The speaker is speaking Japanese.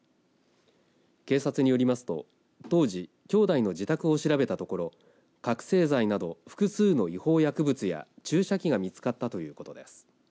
警察によりますと当時、きょうだいの自宅を調べたところ覚醒剤など、複数の違法薬物や注射器が見つかったということです。